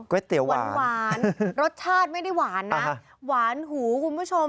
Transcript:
เตี๋ยวหวานรสชาติไม่ได้หวานนะหวานหูคุณผู้ชม